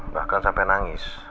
bahkan sampai nangis